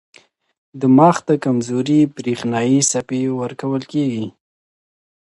دماغ ته کمزورې برېښنايي څپې ورکول کېږي.